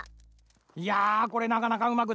いやこれなかなかうまくつかないな。